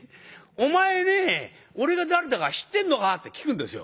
「お前ね俺が誰だか知ってんのか？」って聞くんですよ。